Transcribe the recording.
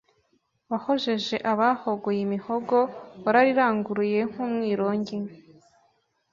Wahojeje abahogoye imihogo Warariranguruye nk'umwirongi